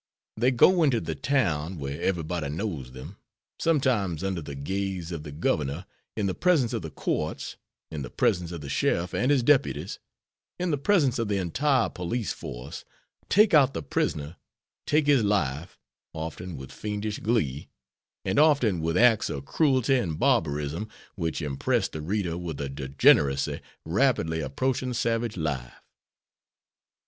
They go into the town where everybody knows them, sometimes under the gaze of the governor, in the presence of the courts, in the presence of the sheriff and his deputies, in the presence of the entire police force, take out the prisoner, take his life, often with fiendish glee, and often with acts of cruelty and barbarism which impress the reader with a degeneracy rapidly approaching savage life.